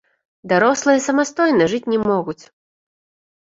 Дарослыя самастойна жыць не могуць.